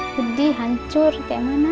sedih hancur kayak mana